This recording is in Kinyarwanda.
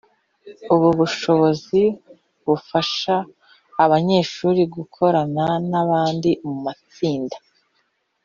ubu bushobozi buzafasha abanyeshuri gukorana n’abandi mu matsinda